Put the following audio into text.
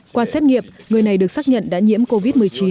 qua xét nghiệm người này được xác nhận đã nhiễm covid một mươi chín